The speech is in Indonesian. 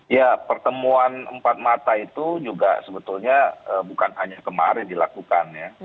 ya pertemuan empat mata itu juga sebetulnya bukan hanya kemarin dilakukan ya